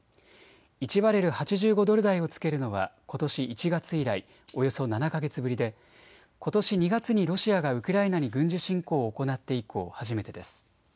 １バレル８５ドル台をつけるのはことし１月以来、およそ７か月ぶりでことし２月にロシアがウクライナに軍事侵攻を行って以降、初めてです。